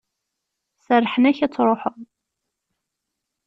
Serrḥen-ak ad truḥeḍ.